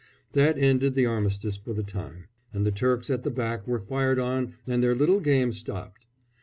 That ended the armistice for the time, and the Turks at the back were fired on and their little game stopped.